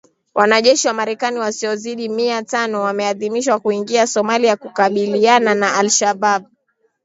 Wanajeshi wa Marekani wasiozidi mia tano wameidhinishwa kuingia Somalia kukabiliana na Al Shabaab